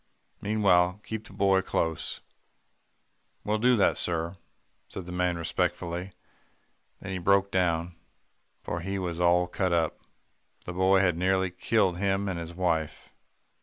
Meanwhile, keep the boy close.' "'That we'll do, sir,' said the man respectfully, then he broke down, for he was all cut up. The boy had nearly killed him and his wife.